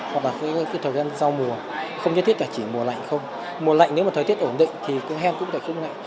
hoặc là cái thời gian sau mùa không nhất thiết là chỉ mùa lạnh không mùa lạnh nếu mà thời tiết ổn định thì cơn hen cũng đặc trưng nặng